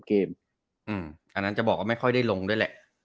อันนั้นจะบอกว่าไม่ค่อยได้ลงด้วยแหละ